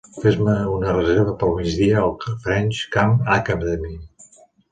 Fes-me una reserva pel migdia al French Camp Academy